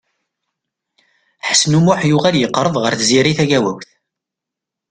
Ḥsen U Muḥ yuɣal yeqreb ɣer Tiziri Tagawawt.